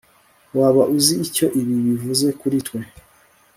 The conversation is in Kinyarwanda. waba uzi icyo ibi bivuze kuri twe